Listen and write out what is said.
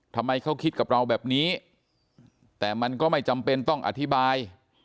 ทำไมเขาคิดกับเราแบบนี้แต่มันก็ไม่จำเป็นต้องอธิบาย